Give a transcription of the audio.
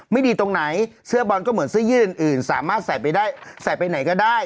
ไม่ดีตรงไหนเสื้อบอลก็เหมือนเสื้อยืดอื่นสามารถใส่ไปได้ใส่ไปไหนก็ได้